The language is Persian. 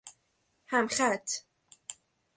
همخط